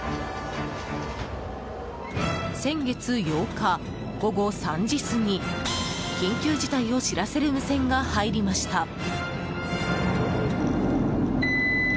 先月８日、午後３時過ぎ緊急事態を知らせる無線が入りました。